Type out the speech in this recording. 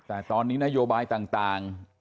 แต่ตอนนี้นโยบายต่าง